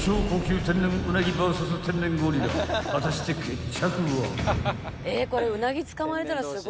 ［果たして決着は？］